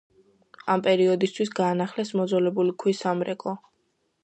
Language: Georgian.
ამ პერიოდისთვის განაახლეს მოძველებული ქვის სამრეკლო.